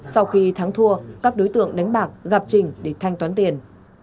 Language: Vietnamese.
sau khi thắng thua các đối tượng đánh bạc gặp trình để thanh toán tiền